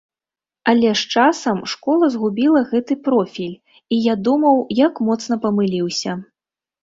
Але з часам школа згубіла гэты профіль, і я думаў, як моцна памыліўся.